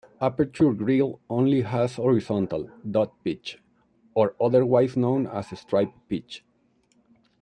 Aperture grille only has horizontal 'dot pitch', or otherwise known as 'stripe pitch'.